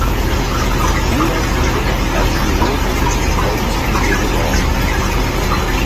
Früher wurde es als chirurgisches Betäubungsmittel gebraucht.